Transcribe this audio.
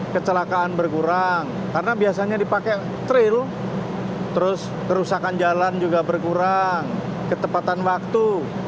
kecelakaan berkurang karena biasanya dipakai tril terus kerusakan jalan juga berkurang ketepatan waktu